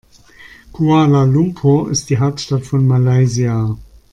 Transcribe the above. Kuala Lumpur ist die Hauptstadt von Malaysia.